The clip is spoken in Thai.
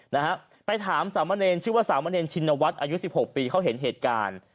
นะฮะไปถามสามเณรชื่อว่าสามะเนรชินวัฒน์อายุสิบหกปีเขาเห็นเหตุการณ์